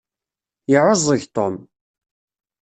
Yeεεuẓẓeg Tom.